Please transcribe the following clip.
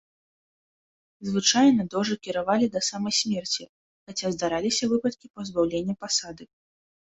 Звычайна дожы кіравалі да самай смерці, хаця здараліся выпадкі пазбаўлення пасады.